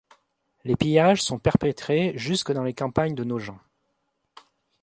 Les pillages sont perpétrés jusque dans les campagnes de Nogent.